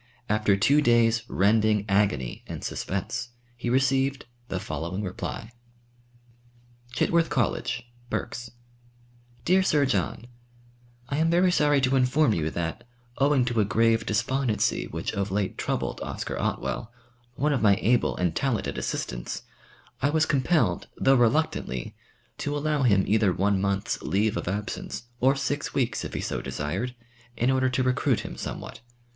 After two days' rending agony and suspense, he received the following reply: "Chitworth College, Berks. "Dear Sir John, "I am very sorry to inform you that, owing to a grave despondency which of late troubled Oscar Otwell, one of my able and talented assistants, I was compelled, though reluctantly, to allow him either one month's leave of absence or six weeks' if he so desired, in order to recruit him somewhat.